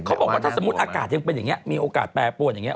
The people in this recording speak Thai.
เขาบอกว่าถ้าสมมุติอากาศยังเป็นอย่างนี้มีโอกาสแปรปวนอย่างนี้